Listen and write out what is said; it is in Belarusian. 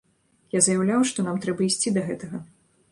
Я заяўляў, што нам трэба ісці да гэтага.